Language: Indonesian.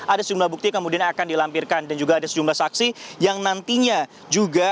ada sejumlah bukti kemudian akan dilampirkan dan juga ada sejumlah saksi yang nantinya juga